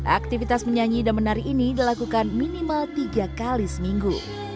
aktivitas menyanyi dan menari ini dilakukan minimal tiga kali seminggu